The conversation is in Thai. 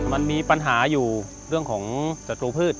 มันมีปัญหาอยู่เรื่องของศัตรูพืช